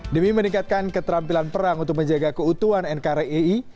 demi meningkatkan keterampilan perang untuk menjaga keutuhan nkri